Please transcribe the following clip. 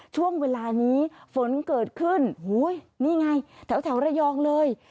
ช่วงเวลานี้ฝนเกิดขึ้นนี่ไงแถวระยองเลย